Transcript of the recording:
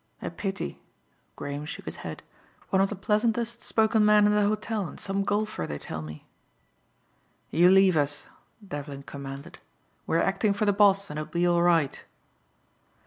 A pity," Graham shook his head, "one of the pleasantest spoken men in the hotel, and some golfer, they tell me." "You leave us," Devlin commanded. "We are acting for the boss and it'll be all right."